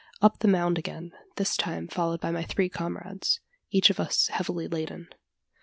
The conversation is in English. Up the mound again this time followed by my three comrades each of us heavily laden.